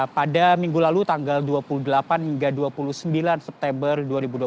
pada minggu lalu tanggal dua puluh delapan hingga dua puluh sembilan september dua ribu dua puluh